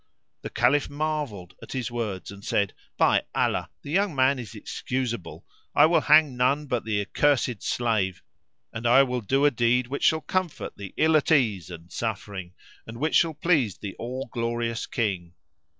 The Caliph marvelled at his words and said, "By Allah, the young man is excusable: I will hang none but the accursed slave and I will do a deed which shall comfort the ill at ease and suffering, and which shall please the All glorious King."